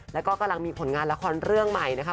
แล้วก็กำลังมีผลงานละครเรื่องใหม่นะคะ